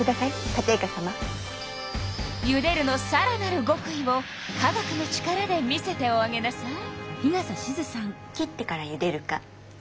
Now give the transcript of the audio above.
「ゆでる」のさらなるごくいを化学の力で見せておあげなさい。